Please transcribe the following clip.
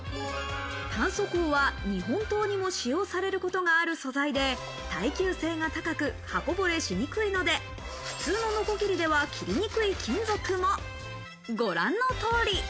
炭素鋼は日本刀にも使用されることがある素材で、耐久性が高く、刃こぼれしにくいので、普通のノコギリでは切りにくい金属も、ご覧の通り。